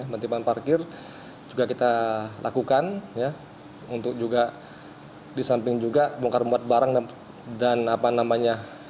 mentepan pakir juga kita lakukan ya untuk juga disamping juga bukar membuat barang dan apa namanya